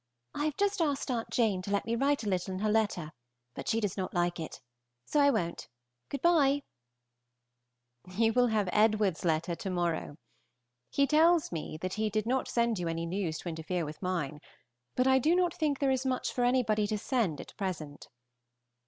I have just asked Aunt Jane to let me write a little in her letter, but she does not like it, so I won't. Good by!] You will have Edward's letter to morrow. He tells me that he did not send you any news to interfere with mine, but I do not think there is much for anybody to send at present.